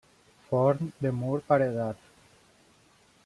Forn de mur paredat.